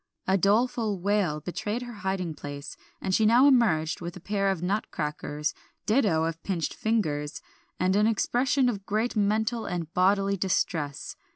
A doleful wail betrayed her hiding place, and she now emerged with a pair of nutcrackers, ditto of pinched fingers, and an expression of great mental and bodily distress.